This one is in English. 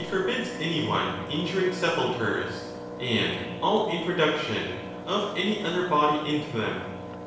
forbids any one injuring. sepulchres, and all introduction of any other body into them.